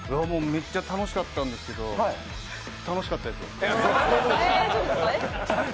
めっちゃ楽しかったんですけど楽しかったですよ。